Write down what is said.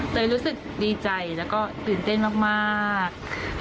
เตรนค์รู้สึกดีใจและตื่นเต้นมาก